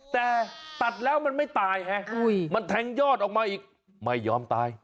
แต่ตัดแล้วมันไม่ตายไงมันแทงยอดออกมาอีกไม่ยอมตาย